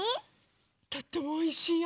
とってもおいしいよ。